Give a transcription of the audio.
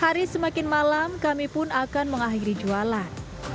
hari semakin malam kami pun akan mengakhiri jualan